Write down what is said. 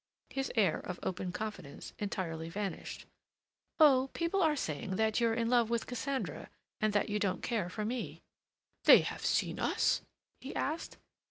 His air of open confidence entirely vanished. "Oh, people are saying that you're in love with Cassandra, and that you don't care for me." "They have seen us?" he asked.